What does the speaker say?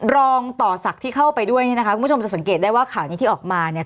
รองต่อศักดิ์ที่เข้าไปด้วยเนี่ยนะคะคุณผู้ชมจะสังเกตได้ว่าข่าวนี้ที่ออกมาเนี่ย